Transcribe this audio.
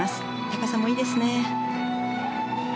高さもいいですね。